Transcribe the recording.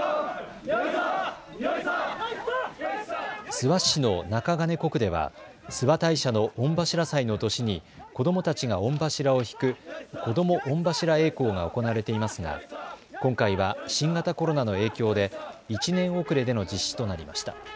諏訪市の中金子区では諏訪大社の御柱祭の年に子どもたちが御柱を引く子ども御柱曳行が行われていますが今回は新型コロナの影響で１年遅れでの実施となりました。